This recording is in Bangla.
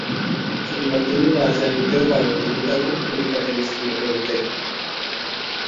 কিংবা তুমি না জানিতেও পার, তুমি তখন কলিকাতার স্কুলে পড়িতে।